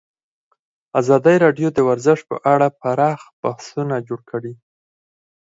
ازادي راډیو د ورزش په اړه پراخ بحثونه جوړ کړي.